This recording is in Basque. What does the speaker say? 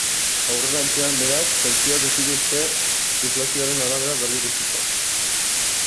Aurrerantzean, beraz, pentsioak ez dituzte inflazioaren arabera berrikusiko.